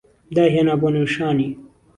دای هێنا بۆ نێو شانی